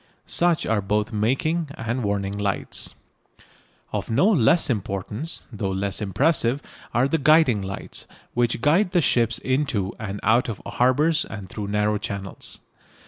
Such are both making and warning lights. Of no less importance, though less impressive, are the guiding lights, which guide the ships into and out of harbours and through narrow channels.